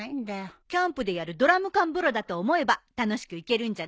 キャンプでやるドラム缶風呂だと思えば楽しく行けるんじゃない？